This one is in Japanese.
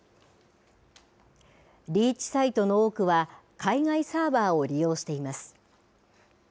リーチサイトの多くは海外サーバーを利用しています。